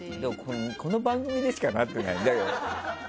この番組でしかなってないのよ。